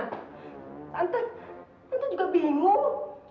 tante tante juga bingung